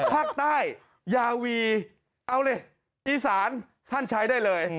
ภาคใต้ยาวีเอาเลยอีสานท่านใช้ได้เลย